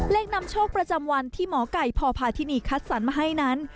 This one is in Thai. เลขนำโชคประจำวันที่หมอไก่พพทินิคคัทสรรหน์มาให้นั้น